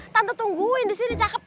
tante tungguin disini cakep